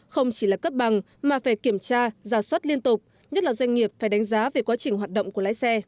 không chỉ là cấp bằng mà phải kiểm tra giả soát liên tục nhất là doanh nghiệp phải đánh giá về quá trình hoạt động của lái xe